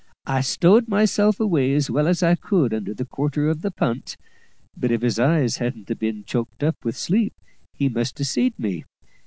I stowed myself away as well as I could under the quarter of the punt but if his eyes hadn't ha' been choked up with sleep he must ha' see'd me.